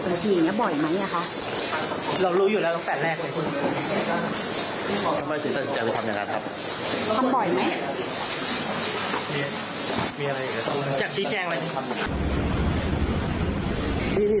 อยากชี้แจ้งอะไร